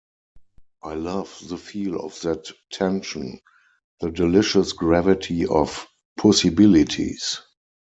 I love the feel of that tension, the delicious gravity of possibilities.